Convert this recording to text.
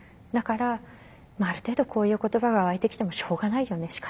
だから「ある程度こういう言葉がわいてきてもしょうがないよね。